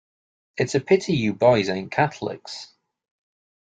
It's a pity you boys aint Catholics.